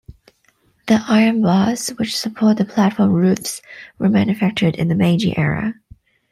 The iron bars which support the platform roofs were manufactured in the Meiji era.